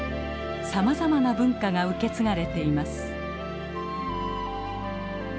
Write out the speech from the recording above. さまざまな文化が受け継がれています。